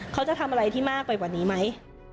เขาจะทำอะไรที่มากไปกว่านี้ไหม